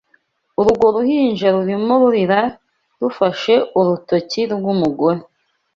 urwo ruhinja rurimo rurira rufashe urutoki rw’umugore